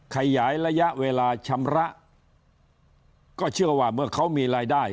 ขยายระยะเวลาชำระก็เชื่อว่าเมื่อเขามีรายได้